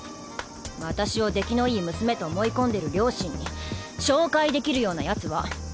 私をデキのいい娘と思い込んでる両親に紹介できるような奴は。